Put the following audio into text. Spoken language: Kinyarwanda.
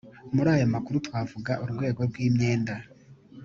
muri ayo makuru twavuga rwego rw’imyenda